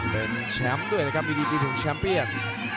เป็นแชมป์ด้วยนะครับมีดีกีถึงแชมป์เปียน